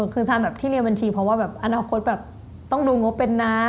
คือทานแบบที่เรียนบัญชีเพราะว่าแบบอนาคตแบบต้องดูงบเป็นนะ